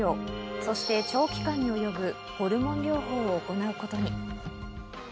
そして長期間に及ぶホルモン療法を行うことに。